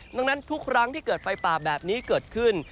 ดังนั้นทุกครั้งที่เกิดไฟป่าแบบนี้เกิดขึ้น